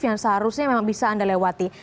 yang seharusnya memang bisa anda lewati